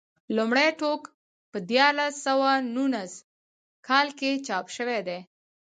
لومړی ټوک په دیارلس سوه نولس کال کې چاپ شوی دی.